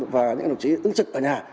và những đồng chí tướng trực ở nhà